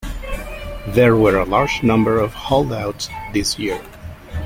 There were a large number of holdouts this year.